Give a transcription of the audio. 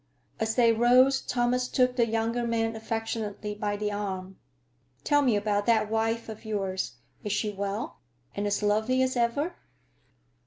As they rose, Thomas took the younger man affectionately by the arm. "Tell me about that wife of yours. Is she well, and as lovely as ever?